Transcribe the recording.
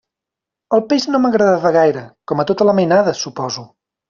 El peix no m'agradava gaire, com a tota la mainada, suposo.